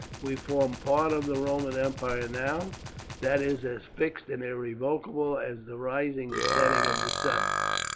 We form part of the Roman Empire now, that is as fixed and irrevocable as the rising and setting of the sun.